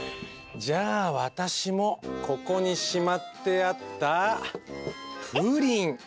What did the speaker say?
じゃあ私もここにしまってあったプリン！